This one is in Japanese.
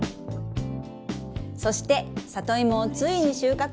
そしてサトイモをついに収穫！